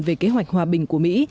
về kế hoạch hòa bình của mỹ